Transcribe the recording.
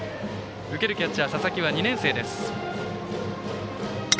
受けるキャッチャー佐々木は２年生です。